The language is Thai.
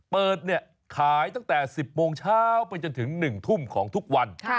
เปิดขายตั้งแต่๑๐โมงเช้าไปจนถึง๑ทุ่มของทุกวัน